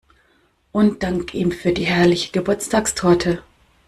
Und dank ihm für die herrliche Geburtstagstorte.